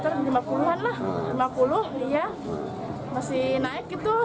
rp dua per liter rp lima puluh lah rp lima puluh iya masih naik gitu